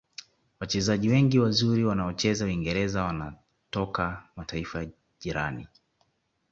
wachezaji wengi wazuri waonaocheza uingereza wanatoka mataifa ya jirani